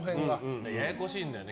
ややこしいんだよね。